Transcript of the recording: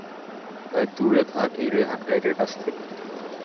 তুই দূরে থাক এই রেহান গাইড এর কাছ থেকে।